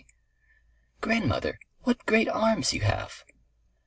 "Grandmother, what very long arms you have!"